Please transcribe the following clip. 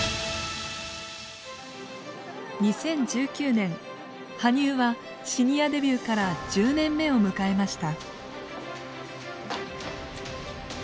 ２０１９年羽生はシニアデビューから１０年目を迎えました。